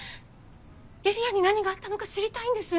梨里杏に何があったのか知りたいんです！